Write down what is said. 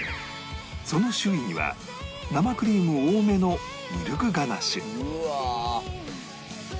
その周囲には生クリーム多めのミルクガナッシュうわー！